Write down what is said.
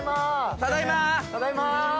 ただいま。